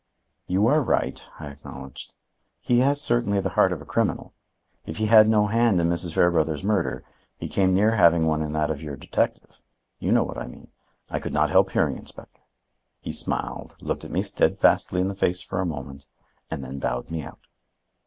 "You are right," I acknowledged. "He has certainly the heart of a criminal. If he had no hand in Mrs. Fairbrother's murder, he came near having one in that of your detective. You know what I mean. I could not help hearing, Inspector." He smiled, looked me steadfastly in the face for a moment, and then bowed me out.